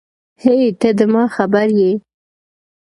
هی ته ده ما خبر یی